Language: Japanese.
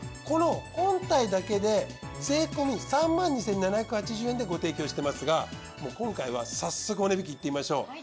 この本体だけで税込３２，７８０円でご提供していますが今回は早速お値引きいってみましょう。